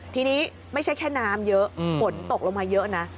ทีนี้ไม่ใช่แค่น้ำเยอะฝนตกลงมาเยอะนะ